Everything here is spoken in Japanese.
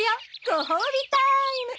ご褒美タイム！